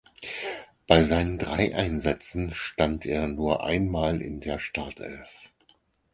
Bei seinen drei Einsätzen stand er nur einmal in der Startelf.